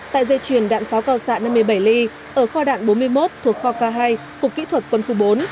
tại dây chuyền đạn pháo cao xạ năm mươi bảy ly ở khoa đạn bốn mươi một thuộc kho ca hai cục kỹ thuật quân khu bốn